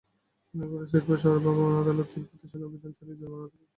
নীলফামারীর সৈয়দপুর শহরের ভ্রাম্যমাণ আদালত তিন প্রতিষ্ঠানে অভিযান চালিয়ে জরিমানা আদায় করেছেন।